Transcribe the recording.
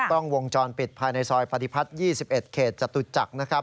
กล้องวงจรปิดภายในซอยปฏิพัฒน์๒๑เขตจตุจักรนะครับ